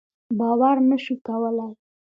باور نه شو کولای.